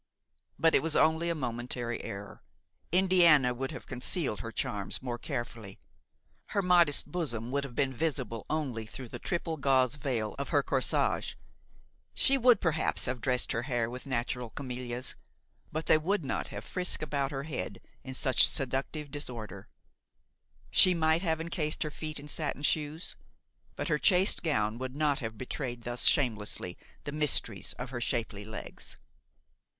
But it was only a momentary error–Indiana would have concealed her charms more carefully; her modest bosom would have been visible only through the triple gauze veil of her corsage; she would perhaps have dressed her hair with natural camellias, but they would not have frisked about on her head in such seductive disorder; she might have encased her feet in satin shoes, but her chaste gown would not have betrayed thus shamelessly the mysteries of her shapely legs.